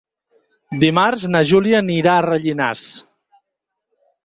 Dimarts na Júlia anirà a Rellinars.